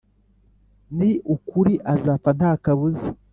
ni ukuri azapfa nta kabuza.